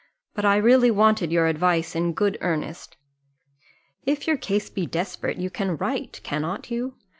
But I really wanted your advice in good earnest." "If your case be desperate, you can write, cannot you?